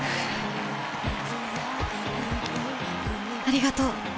ありがとう。